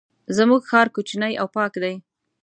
زمونږ ښار کوچنی او پاک دی.